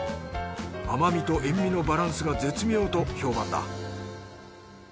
甘みとえんみのバランスが絶妙と評判だ